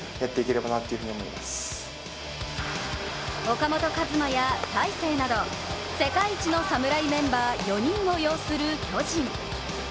岡本和真や大勢など、世界一の侍メンバー４人を擁する巨人。